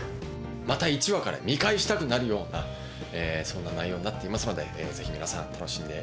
また１話から見返したくなるようなそんな内容になっていますのでぜひ皆さん楽しんでください。